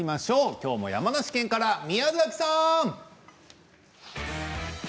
今日も山梨県から宮崎さん！